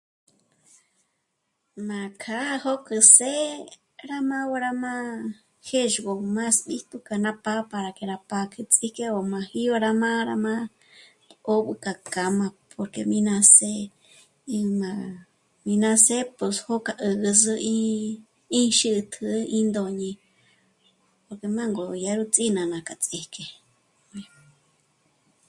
Ná kjâ'ajo k'ù s'ë́'ë rá má gó'o rá má'a jéxgo más b'íjtu k'a ná pá'a para que rá pá'k'ets'i jyé ò máji b'a ngó rá má'a, rá má'a 'ó k'a k'áma porque mi ná s'ë́'ë í ná... í ná s'ë́'ë p'òsjo k'a 'ä̀gäsü í... í xä̀t'ä í ndóñi o k'e má ngó 'ódya ró ts'i nána k'a ts'íjk'e